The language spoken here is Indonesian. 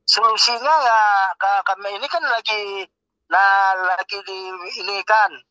solusinya ya kami ini kan lagi di ini kan